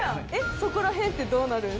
そこら辺ってどうなるん？